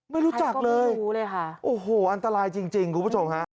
ไม่รู้จักเลยโอ้โหอันตรายจริงคุณผู้ชมค่ะใครก็ไม่รู้เลยค่ะ